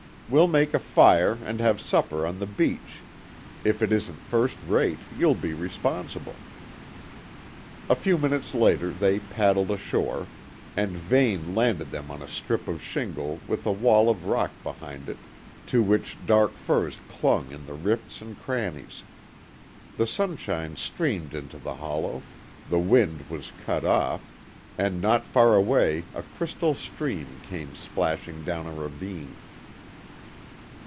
We'll make a fire and have supper on the beach; if it isn't first rate, you'll be responsible." A few minutes later they paddled ashore, and Vane landed them on a strip of shingle with a wall of rock behind it, to which dark firs clung in the rifts and crannies. The sunshine streamed into the hollow, the wind was cut off, and not far away a crystal stream came splashing down a ravine.